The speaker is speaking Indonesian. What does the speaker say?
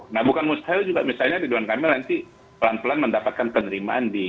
nah bukan mustahil juga misalnya ridwan kamil nanti pelan pelan mendapatkan penerimaan di